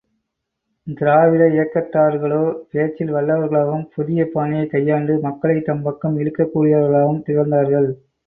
திராவிட இயக்கத்தர்களோ, பேச்சில் வல்லவர்களாகவும், புதிய பாணியைக் கையாண்டு மக்களைத் தம் பக்கம் இழுக்கக்கூடியவர்களாகவும் திகழ்ந்தார்கள்.